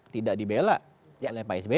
tidak dibela oleh psb